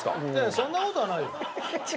そんな事はないよ。